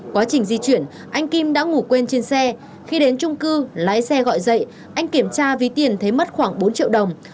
quá trình di chuyển anh kim đã ngủ quên trên xe khi đến trung cư lái xe gọi dậy anh kiểm tra vì tiền thấy mất khoảng bốn triệu đồng